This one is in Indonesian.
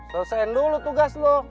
selesain dulu tugas lu